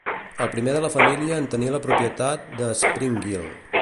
El primer de la família en tenir la propietat de Springhill.